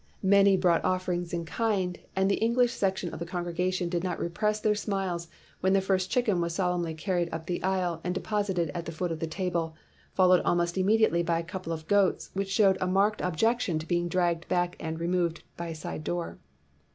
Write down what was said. Many brought 277 WHITE MAN OF WORK offerings in kind, and the English section of the congregation could not repress their smiles when the first chicken was solemnly carried up the aisle and deposited at the foot of the table, followed almost immedi ately by a couple of goats which showed a marked objection to being dragged back and removed by a side door.